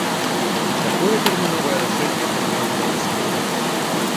Такое тэрміновае рашэнне прыняў беларускі ўрад.